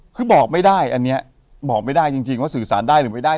คือบอกไม่ได้อันนี้บอกไม่ได้จริงว่าสื่อสารได้หรือไม่ได้